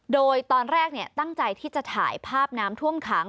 โดยตอนแรกตั้งใจที่จะถ่ายภาพน้ำท่วมขัง